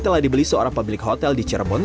telah dibeli seorang pemilik hotel di cirebon